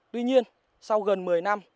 tuy nhiên sau gần một mươi năm